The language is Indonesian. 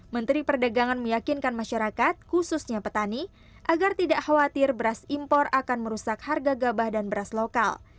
menteri perdagangan meyakinkan masyarakat khususnya petani agar tidak khawatir beras impor akan merusak harga gabah dan beras lokal